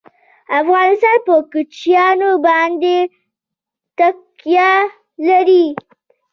افغانستان په کوچیان باندې تکیه لري.